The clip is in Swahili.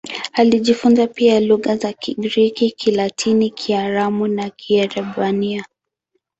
Alijifunza pia lugha za Kigiriki, Kilatini, Kiaramu na Kiebrania.